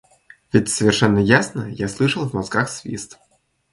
Ведь совершенно ясно я слышал в мозгах свист.